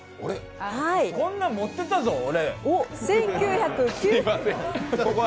こんなん持ってたぞ、俺。